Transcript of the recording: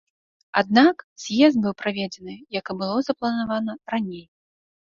Аднак, з'езд быў праведзены, як і было запланавана раней.